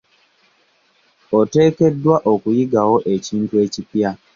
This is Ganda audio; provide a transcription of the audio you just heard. Oteekeddwa okuyigawo ekintu ekipya.